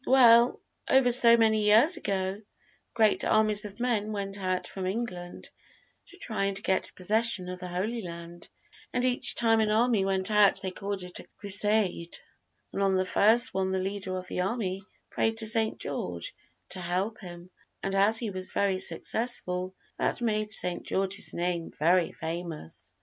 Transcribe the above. "Well, ever so many years ago great armies of men went out from England to try and get possession of the Holy Land, and each time an army went out they called it a crusade, and on the first one the leader of the army prayed to St. George to help him, and as he was very successful, that made St. George's name very famous.